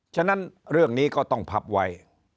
ฉะนั้นเรื่องนี้ก็ต้องพับไว้